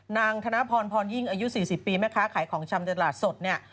ธนพรพรยิ่งอายุ๔๐ปีแม่ค้าขายของชำในตลาดสดเนี่ย